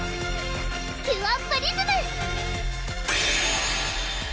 キュアプリズム！